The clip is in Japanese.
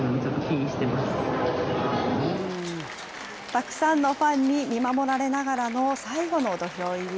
たくさんのファンに見守られながらの最後の土俵入り。